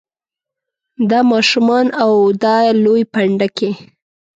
دا ماشومان او دا لوی پنډکی.